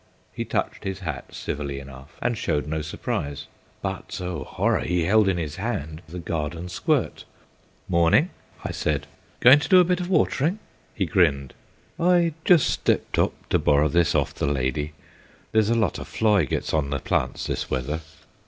He touched his hat civilly enough, and showed no surprise; but, oh, horror! he held in his hand the garden squirt. "Morning," I said; "going to do a bit of watering?" He grinned. "Just stepped up to borrer this off the lady; there's a lot of fly gets on the plants this weather."